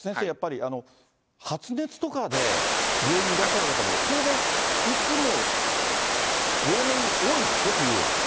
やっぱり、発熱とかで病院にいらっしゃる方も当然、いつも例年多いでしょ、冬は。